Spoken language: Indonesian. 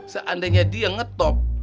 seandainya dia ngetop